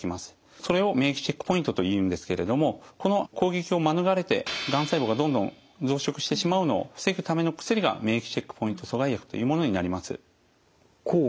それを免疫チェックポイントというんですけれどもこの攻撃を免れてがん細胞がどんどん増殖してしまうのを防ぐための薬が免疫チェックポイント阻害薬というものになります。